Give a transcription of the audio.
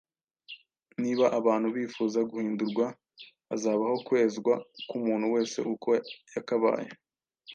Niba abantu bifuza guhindurwa, hazabaho kwezwa k’umuntu wese uko yakabaye.